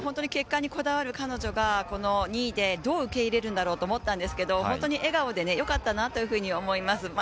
結果にこだわる彼女が２位でどう受け入れるんだろうと思ったんですけど、本当に笑顔でよかったなと思います。